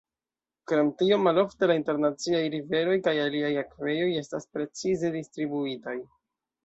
Krom tio malofte la internaciaj riveroj kaj aliaj akvejoj estas precize distribuitaj.